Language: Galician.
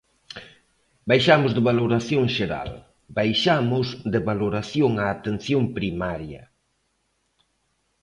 Baixamos de valoración xeral, baixamos de valoración á atención primaria.